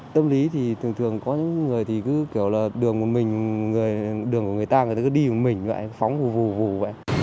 tâm lý thì thường thường có những người thì cứ kiểu là đường của mình đường của người ta người ta cứ đi với mình vậy phóng vù vù vù vậy